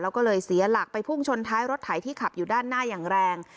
แล้วก็เลยเสียหลักไปพุ่งชนท้ายรถไถที่ขับอยู่ด้านหน้าอย่างแรง